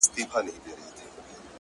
ستا په تعويذ كي به خپل زړه وويني،